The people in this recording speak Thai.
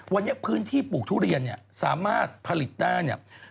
วันยักษ์พื้นที่ปลูกทุเรียนสามารถผลิตได้